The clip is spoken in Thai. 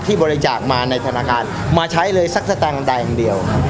ที่บริจาคมาในธนาคารมาใช้เลยสักสักต่างต่างเดียว